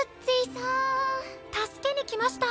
助けに来ました。